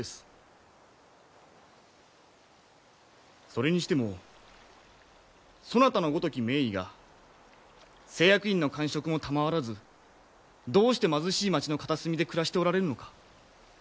それにしてもそなたのごとき名医が施薬院の官職も賜らずどうして貧しい町の片隅で暮らしておられるのか。